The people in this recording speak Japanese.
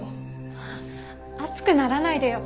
熱くならないでよ。